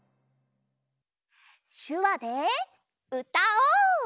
しゅわでうたおう！